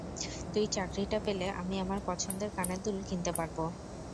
তুই চাকরিটা পেলে, আমি আমার পছন্দের কানের দুল কিনতে পারবো।